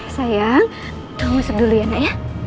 sayang tunggu sedikit dulu ya naya